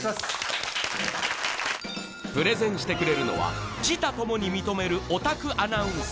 プレゼンしてくれるのは自他ともに認めるヲタクアナウンサー宇内